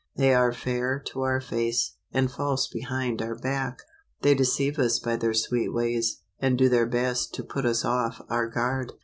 They are fair to our face, and false behind our back. They deceive us by their sweet ways, and do their best to put us off our guard.